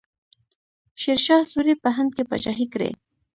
شیرشاه سوري په هند کې پاچاهي کړې.